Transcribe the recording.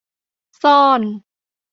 ซ่อน